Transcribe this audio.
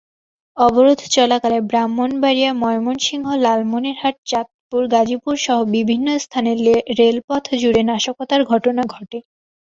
অবরোধ চলাকালে ব্রাহ্মণবাড়িয়া, ময়মনসিংহ, লালমনিরহাট, চাঁদপুর, গাজীপুরসহ বিভিন্ন স্থানে রেলপথজুড়ে নাশকতার ঘটনা ঘটে।